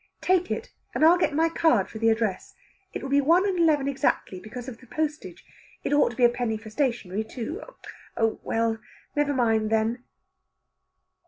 "Take it, and I'll get my card for the address. It will be one and eleven exactly, because of the postage. It ought to be a penny for stationery, too.... Oh, well! never mind, then...."